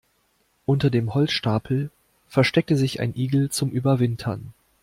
Unter dem Holzstapel versteckte sich ein Igel zum Überwintern.